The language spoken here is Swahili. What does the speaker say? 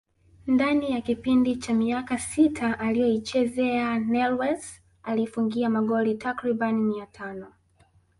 Ndani ya kipindi cha miaka sita aliyoichezea Newells aliifungia magoli takribani mia tano